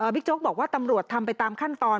โจ๊กบอกว่าตำรวจทำไปตามขั้นตอน